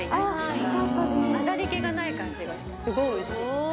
混ざり気がない感じがしてすごいおいしい。